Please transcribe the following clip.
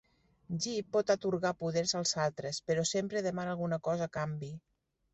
Jip pot atorgar poders als altres, però sempre demana alguna cosa a canvi.